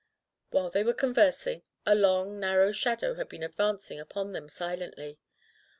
While they were conversing, a long, nar row shadow had been advancing upon them silently.